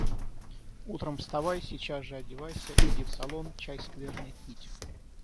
Утром вставай, сейчас же одевайся, иди в салон чай скверный пить.